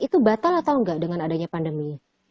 itu batal atau enggak dengan adanya pandemi ini